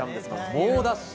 猛ダッシュ！